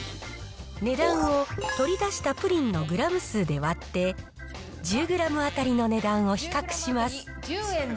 値段を、取り出したプリンのグラム数で割って、１０グラム当たりの値段を比較します。